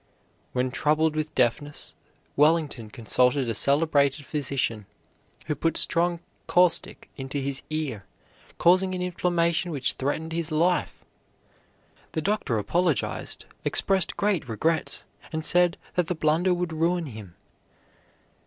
When troubled with deafness, Wellington consulted a celebrated physician, who put strong caustic into his ear, causing an inflammation which threatened his life. The doctor apologized, expressed great regrets, and said that the blunder would ruin him.